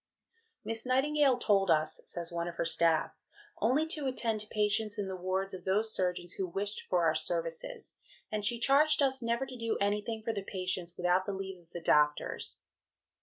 "Miss Nightingale told us," says one of her staff, "only to attend to patients in the wards of those surgeons who wished for our services, and she charged us never to do anything for the patients without the leave of the doctors."